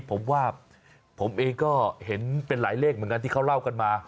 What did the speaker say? ผมว่าผมเองก็เห็นเป็นหลายเลขเหมือนกันที่เขาเล่ากันมา